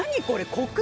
コク？